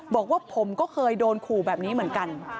บอกว่าผมก็เคยโดนขู่แบบนี้เหมือนกัน